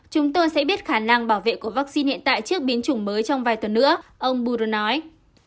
chúng tôi sẽ biết khả năng bảo vệ của vaccine hiện tại trước biến chủng mới trong vài tuần nữa ông budro nói